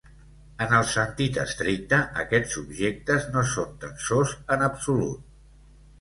En el sentit estricte, aquests objectes no són tensors en absolut.